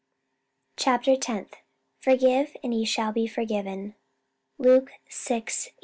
Chapter Tenth. "Forgive, and ye shall be forgiven." Luke vi, 87.